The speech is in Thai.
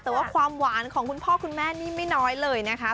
แต่ว่าความหวานของคุณพ่อคุณแม่นี่ไม่น้อยเลยนะคะ